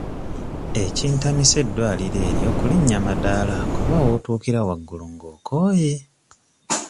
Ekintamisa eddwaliro eryo kulinnya madaala kuba w'otuukira waggulu ng'okooye.